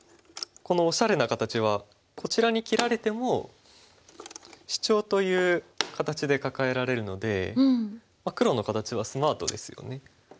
このおしゃれな形はこちらに切られてもシチョウという形でカカえられるので黒の形はスマートですよね。